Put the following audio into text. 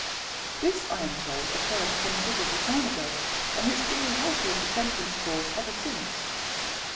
This, I am told, occurred a considerable time ago, and he has been a helper of the Temperance cause ever since.